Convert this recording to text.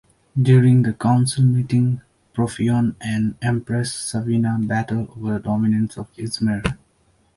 During the council meeting, Profion and Empress Savina battle over the domination of Izmir.